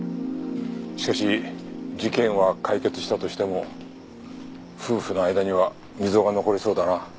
しかし事件は解決したとしても夫婦の間には溝が残りそうだな。